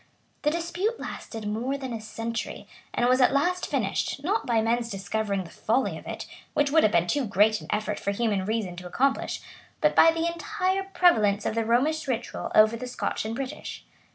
[*] The dispute lasted more than a century; and was at last finished, not by men's discovering the folly of it, which would have been too great an effort for human reason to accomplish, but by the entire prevalence of the Romish ritual over the Scotch and British.